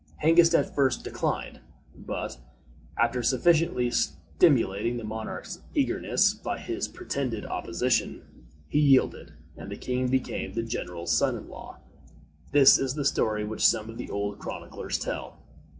Hengist at first declined, but, after sufficiently stimulating the monarch's eagerness by his pretended opposition, he yielded, and the king became the general's son in law. This is the story which some of the old chroniclers tell.